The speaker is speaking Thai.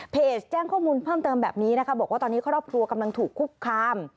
แจ้งข้อมูลเพิ่มเติมแบบนี้นะคะบอกว่าตอนนี้ครอบครัวกำลังถูกคุกคาม